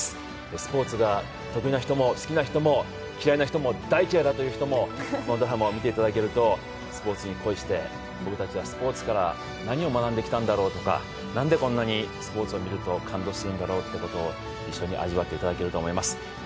スポーツが得意な人も苦手な人も嫌いな人も、大嫌いだという人も、このドラマを見ていただけると、スポ−ツに恋して、スポ−ツから何を学んできたんだろうとか、なんでこんなにスポ−ツを見ると感動するんだろうということを一緒に味わっていだけると思います。